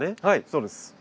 はいそうです。